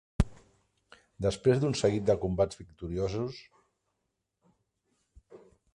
Després d'un seguit de combats victoriosos.